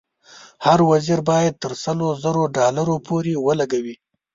هر وزیر باید تر سلو زرو ډالرو پورې ولګوي.